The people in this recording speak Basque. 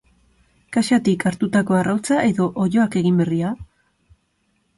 Kaxatik hartutako arrautza edo oiloak egin berria?